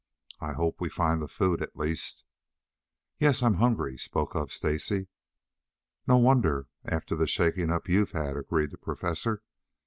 "I hope we find the food at least." "Yes, I'm hungry," spoke up Stacy. "No wonder, after the shaking up you've had," agreed the Professor.